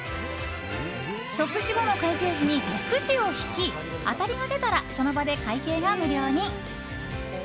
食事後の会計時に、くじを引き当たりが出たらその場で会計が無料に。